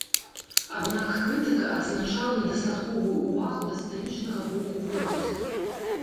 Аднак крытыка адзначала недастатковую ўвагу да сцэнічнага боку вобразу.